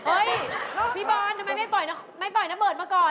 พี่บอลทำไมไม่ปล่อยนะเบิร์ดมาก่อน